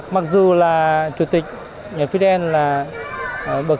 mặc dù là chủ tịch fidel là bậc